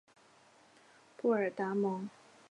布尔达蒙。